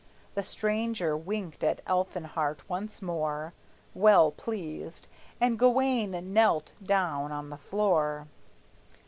The stranger winked at Elfinhart once more, Well pleased, and Gawayne knelt down on the floor.